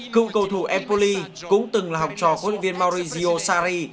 cựu cầu thủ empoli cũng từng là học trò quốc lịch viên maurizio sarri